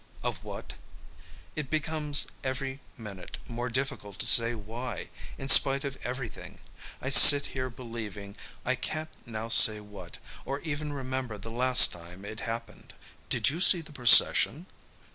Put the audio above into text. Of what? It becomes every minute more difficult to say why, in spite of everything, I sit here believing I can't now say what, or even remember the last time it happened. "Did you see the procession?"